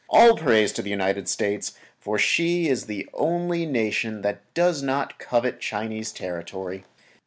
All praise to the United States, for she is the only nation that does not covet Chinese territory.